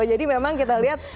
jadi memang kita lihat